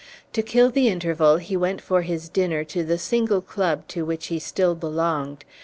To kill the interval, he went for his dinner to the single club to which he still belonged.